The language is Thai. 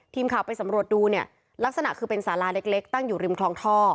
ทีมข่าวไปสำรวจดูเนี่ยลักษณะคือเป็นสาราเล็กตั้งอยู่ริมคลองท่อ